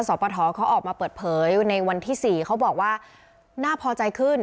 ปทเขาออกมาเปิดเผยในวันที่๔เขาบอกว่าน่าพอใจขึ้น